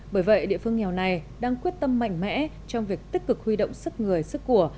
bởi vậy địa phương nghèo này đang quyết tâm mạnh mẽ trong việc tích cực huy động sức người sức của